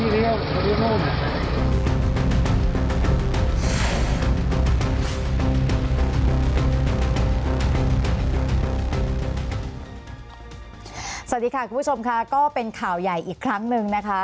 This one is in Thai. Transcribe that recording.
สวัสดีค่ะคุณผู้ชมค่ะก็เป็นข่าวใหญ่อีกครั้งหนึ่งนะคะ